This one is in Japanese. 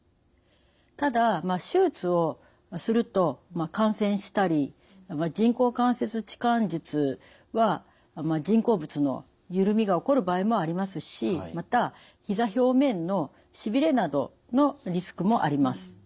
ただ手術をすると感染したり人工関節置換術は人工物の緩みが起こる場合もありますしまたひざ表面のしびれなどのリスクもあります。